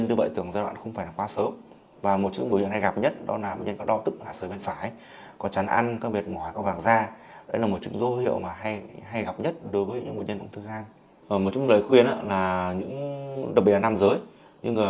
đối với những bệnh nhân bệnh tư gian một trong lời khuyến là những đặc biệt là nam giới như người